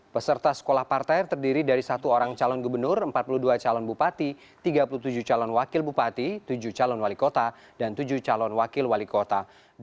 peserta sekolah partai terdiri dari satu orang calon gubernur empat puluh dua calon bupati tiga puluh tujuh calon wakil bupati tujuh calon wali kota dan tujuh calon wakil wali kota